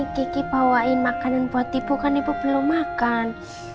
kiki bawain makanan buat ibu kan ibu belum makan